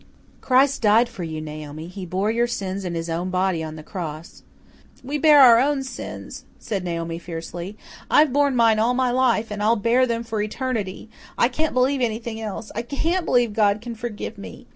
"Christ died for you, Naomi. He bore your sins in His own body on the cross." "We bear our own sins," said Naomi fiercely. "I've borne mine all my life and I'll bear them for all eternity. I can't believe anything else. I CAN'T believe God can forgive me.